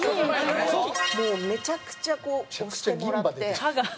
もうめちゃくちゃこう推してもらって。